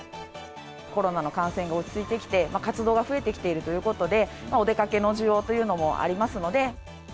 コロナの感染が落ち着いてきて、活動が増えてきているということで、お出かけの需要というのもありますので。